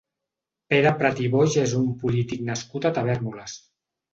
Pere Prat i Boix és un polític nascut a Tavèrnoles.